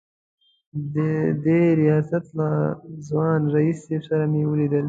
د دې ریاست له ځوان رییس صیب سره مې ولیدل.